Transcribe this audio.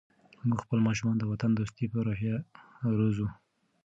موږ خپل ماشومان د وطن دوستۍ په روحیه روزو.